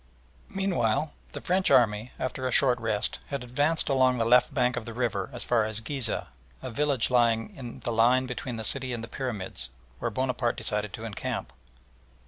Meanwhile the French army, after a short rest, had advanced along the left bank of the river as far as Ghizeh, a village lying in the line between the city and the pyramids, where Bonaparte decided to encamp.